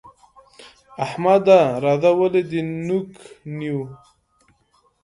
احمده! راځه ولې دې نوک نيو؟